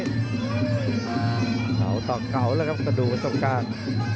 เจ้าต่อเก่าแล้วก็ดูตรงกลาง